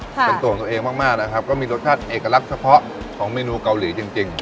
เป็นตัวของตัวเองมากมากนะครับก็มีรสชาติเอกลักษณ์เฉพาะของเมนูเกาหลีจริงจริง